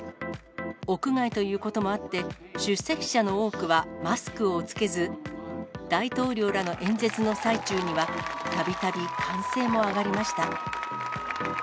屋外ということもあって、出席者の多くはマスクを着けず、大統領らの演説の最中には、たびたび歓声も上がりました。